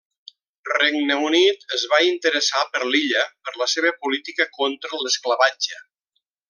Regne Unit es va interessar per l'illa per la seva política contra l'esclavatge.